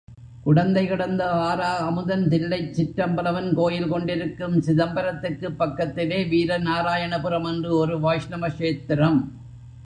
குடந்தைகிடந்த ஆரா அமுதன் தில்லைச் சிற்றம்பலவன் கோயில் கொண்டிருக்கும் சிதம்பரத்துக்குப் பக்கத்திலே வீரநாராயணபுரம் என்று ஒரு வைஷ்ணவ க்ஷேத்திரம்.